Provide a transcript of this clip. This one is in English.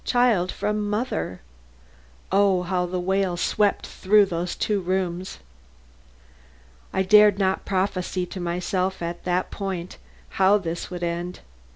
child from mother! Oh, how the wail swept through those two rooms! I dared not prophesy to myself at this point how this would end.